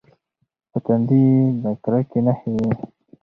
په تندي یې د کرکې نښې وې.